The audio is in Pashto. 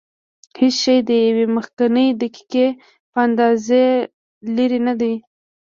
هېڅ شی د یوې مخکنۍ دقیقې په اندازه لرې نه دی.